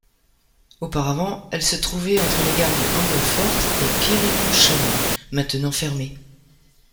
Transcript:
Auparavant elle se trouvait entre les gares de Anglefort et Pyrimont-Chanay, maintenant fermées.